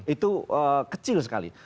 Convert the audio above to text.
itu kecil sekali